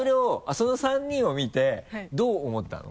その３人を見てどう思ったの？